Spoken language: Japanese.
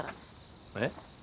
えっ？